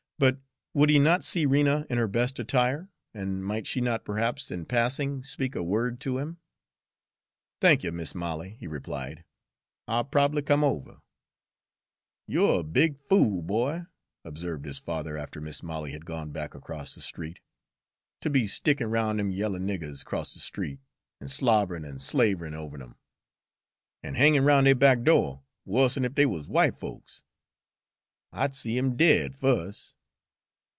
But would he not see Rena in her best attire, and might she not perhaps, in passing, speak a word to him? "Thank y', Mis' Molly," he replied, "I'll prob'ly come over." "You're a big fool, boy," observed his father after Mis' Molly had gone back across the street, "ter be stickin' roun' dem yaller niggers 'cross de street, an' slobb'rin' an' slav'rin' over 'em, an' hangin' roun' deir back do' wuss 'n ef dey wuz w'ite folks. I'd see 'em dead fus'!"